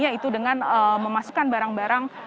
yaitu dengan memasukkan barang barang